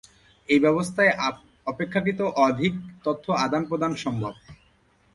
এই বাবস্থায় অপেক্ষাকৃত অধিক তথ্য আদান-প্রদান সম্ভব।